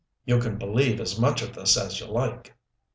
"You can believe as much of this as you like.